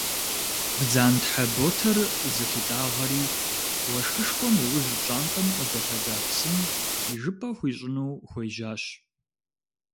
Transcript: Бдзантхьэ ботэр зылъитӏагъэри уэшхышхуэм иужь пщӏантӏэм къыдэлъэда псым ижыпӏэ хуищӏыну хуежьащ.